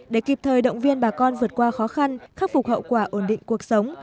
để kịp thời động viên bà con vượt qua khó khăn khắc phục hậu quả ổn định cuộc sống